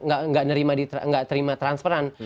gak ngerima gak terima transferan